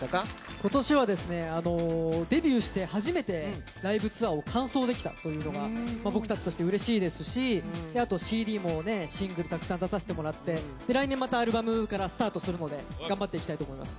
今年はデビューして初めてライブツアーを完走できたというのが僕たちとしてうれしいですしＣＤもシングルたくさん出させてもらって来年またアルバムからスタートするので頑張っていきたいと思います。